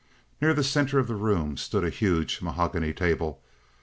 Near the center of the room stood a huge mahogany table.